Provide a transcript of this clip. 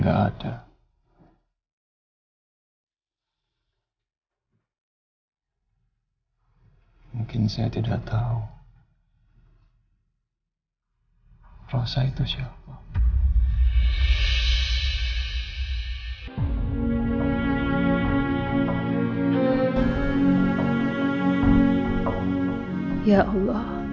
hanya sesuai bersikap bija